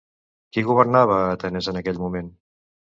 Qui governava a Atenes en aquell moment?